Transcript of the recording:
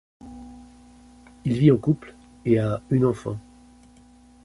Il vit en couple et à une enfant.